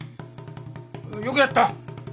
よくやった！